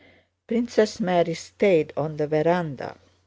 Princess Mary stayed on the veranda.